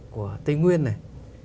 của tây nguyên này